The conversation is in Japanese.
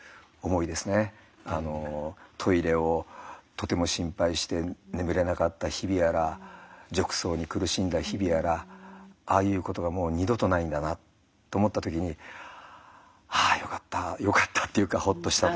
トイレをとても心配して眠れなかった日々やら褥瘡に苦しんだ日々やらああいうことがもう二度とないんだなって思った時にああよかったよかったっていうかほっとしたというか。